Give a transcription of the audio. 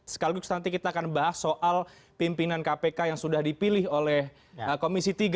sekaligus nanti kita akan bahas soal pimpinan kpk yang sudah dipilih oleh komisi tiga